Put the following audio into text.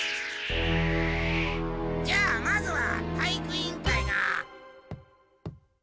じゃあまずは体育委員会が。